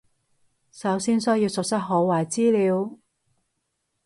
首先需要熟悉好壞資料